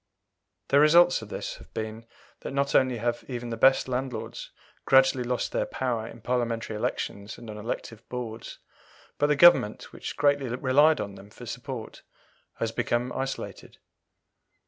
The result of this has been, that not only have even the best landlords gradually lost their power in Parliamentary elections and on elective boards, but the Government, which greatly relied on them for support, has become isolated.